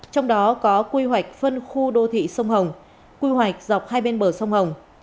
trong đó có quy hoạch phân khu đô thị sông hồng quy hoạch dọc hai bên bờ sông hồng